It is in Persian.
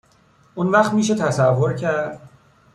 اونوقت میشه تصور کرد